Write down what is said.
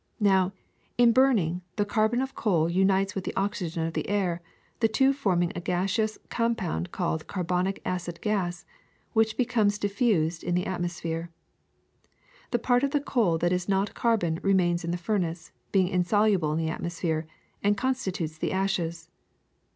Now, in burning, the carbon of coal unites with the oxygen of the air, the two forming a gaseous com pound called carbonic acid gas, which becomes dif fused in the atmosphere. The part of the coal that is not carbon remains in the furnace, being insoluble in the atmosphere, and constitutes the ashes.